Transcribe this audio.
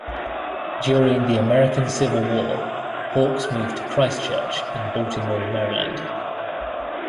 During the American Civil War, Hawks moved to Christ Church in Baltimore, Maryland.